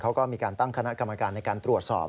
เขาก็มีการตั้งคณะกรรมการในการตรวจสอบ